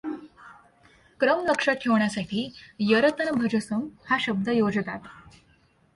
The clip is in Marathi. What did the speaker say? क्रम लक्षात ठेवण्यासाठी यरतनभजसम हा शब्द योजतात.